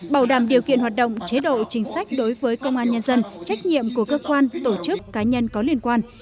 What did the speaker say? bảo đảm điều kiện hoạt động chế độ chính sách đối với công an nhân dân trách nhiệm của cơ quan tổ chức cá nhân có liên quan